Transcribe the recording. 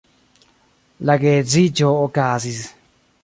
La geedziĝo okazis.